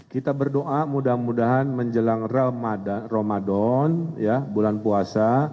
kita berdoa mudah mudahan menjelang ramadan bulan puasa